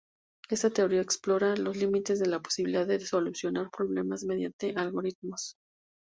Esta teoría explora los límites de la posibilidad de solucionar problemas mediante algoritmos.